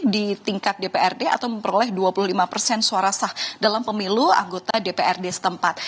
di tingkat dprd atau memperoleh dua puluh lima persen suara sah dalam pemilu anggota dprd setempat